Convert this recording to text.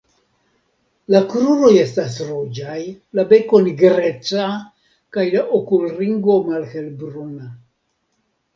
La kruroj estas ruĝaj, la beko nigreca kaj la okulringo malhelbruna.